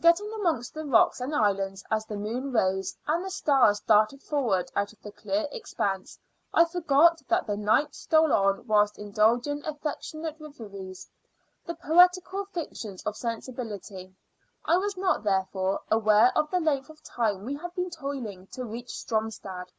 Getting amongst the rocks and islands as the moon rose, and the stars darted forward out of the clear expanse, I forgot that the night stole on whilst indulging affectionate reveries, the poetical fictions of sensibility; I was not, therefore, aware of the length of time we had been toiling to reach Stromstad.